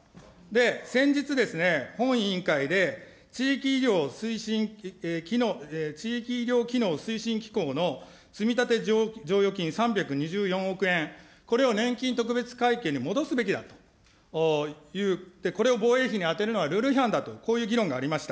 先日ですね、本委員会で地域医療機能推進機構積立剰余金３２４億円、これを年金特別会計に戻すべきだと、これを防衛費に充てるのはルール違反だと、こういう議論がありました。